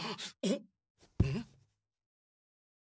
ん？